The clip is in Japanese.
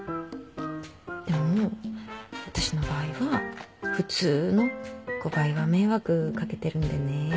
でも私の場合は普通の５倍は迷惑掛けてるんでね。